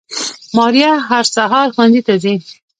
ماريه هر سهار ښوونځي ته ځي